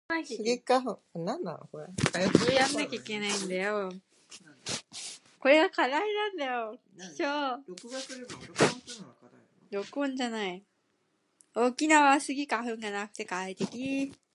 沖縄はスギ花粉がなくて快適